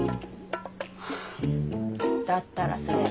だったらそれ